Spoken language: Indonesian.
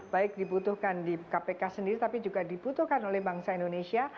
baik dibutuhkan di kpk sendiri tapi juga dibutuhkan oleh bangsa indonesia